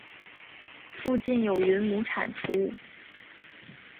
附近有云母产出。